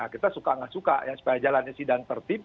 kita suka atau tidak suka supaya jalannya sidang tertib